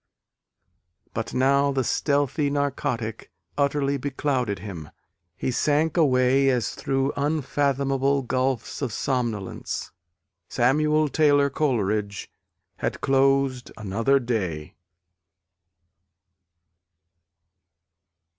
But now the stealthy narcotic utterly beclouded him: he sank away as through unfathomable gulfs of somnolence. Samuel Taylor Coleridge had closed another day.